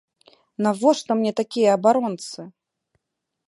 Навошта мне такія абаронцы?!